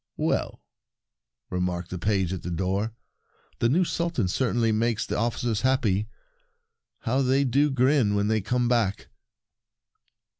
"Well," remarked the page at the door, "the new Sultan certainly makes the officers happy ! How they do grin when they come back